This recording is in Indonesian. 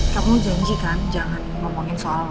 kamu janji kan jangan ngomongin soal